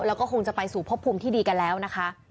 แล้วก็คงจะไปสู่พบภูมิที่ดีกันแล้วนะคะ